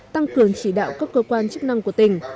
tăng cường chỉ đạo các cơ quan chức năng của tỉnh